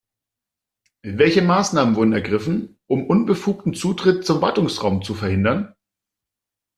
Welche Maßnahmen wurden ergriffen, um unbefugten Zutritt zum Wartungsraum zu verhindern?